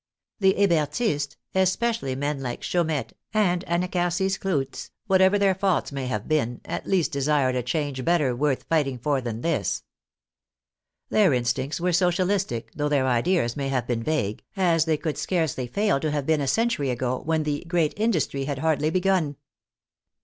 The Hebertists, especially men like* Chaumette and Anacharsis Clootz, whatever their faults may have been, at least desired a change better worth fighting for than this. Their instincts were Socialistic though their ideas may have been vague, as they could scarcely fail to have been a century ago, when the " great industry " had hardly begun.